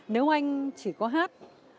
nếu anh chỉ có hát